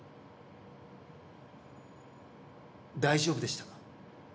大丈夫でしたか？